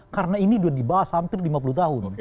karena ini sudah dibahas hampir lima puluh tahun